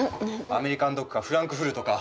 アメリカンドッグかフランクフルトか。